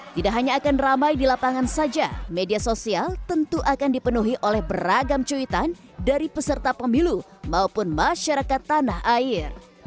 tidak hanya akan ramai di lapangan saja media sosial tentu akan dipenuhi oleh beragam cuitan dari peserta pemilu maupun masyarakat tanah air